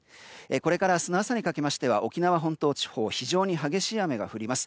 これから明日の朝にかけましては沖縄本島地方非常に激しい雨が降ります。